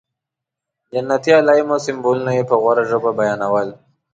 جنتي علایم او سمبولونه یې په غوړه ژبه بیانول.